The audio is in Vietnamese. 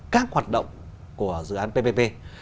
các hoạt động của dự án ppp